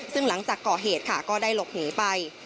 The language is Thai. ซึ่งหลังจากก่อเหตุค่ะก็ได้หลบหนีไป